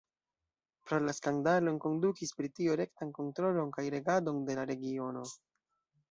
Pro la skandalo enkondukis Britio rektan kontrolon kaj regadon de la regiono.